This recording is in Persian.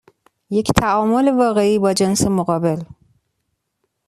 یک تعامل واقعی با جنس مقابل.